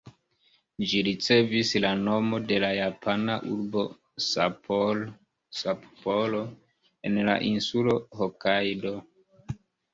Ĝi ricevis la nomo de la japana urbo Sapporo, en la insulo Hokajdo.